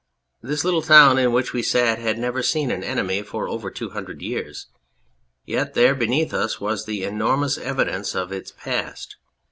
This little town in which we sat had never seen an enemy for over two hundred years ; yet there beneath us was the enormous evidence of its past.